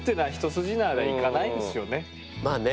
まあね